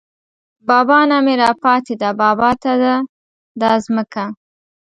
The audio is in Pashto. بابا نه مې راپاتې ده بابا ته ده دا ځمکه